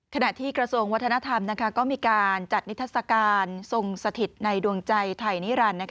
กระทรวงวัฒนธรรมก็มีการจัดนิทัศกาลทรงสถิตในดวงใจไทยนิรันดิ์